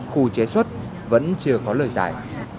khu chế xuất vẫn chưa có lời giải